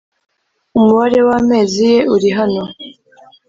Umubare w amezi ye uri hano